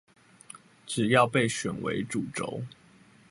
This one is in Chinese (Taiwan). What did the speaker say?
只要被選為主軸